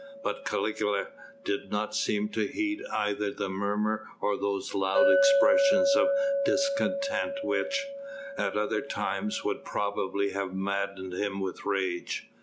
But Caligula did not seem to heed either the murmur or those loud expressions of discontent which, at other times, would probably have maddened him with rage.